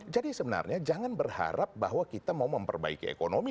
jadi sebenarnya jangan berharap bahwa kita mau memperbaiki ekonomi